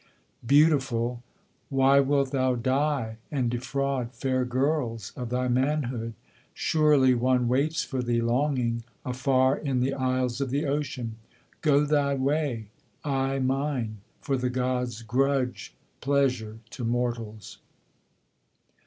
Beautiful! why wilt thou die, and defraud fair girls of thy manhood? Surely one waits for thee longing, afar in the isles of the ocean. Go thy way; I mine; for the gods grudge pleasure to mortals.'